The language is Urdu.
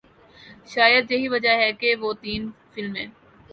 شاید یہی وجہ ہے کہ وہ تین فلمیں